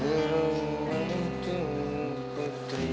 dirumun tim putri